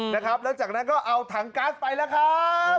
นะครับแล้วจากนั้นก็เอาถังก๊าซไปแล้วครับ